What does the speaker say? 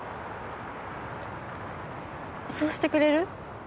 そうしてくれる？